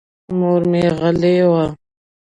مور مې غلې وه.